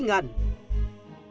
tiền giả có hình bóng chìm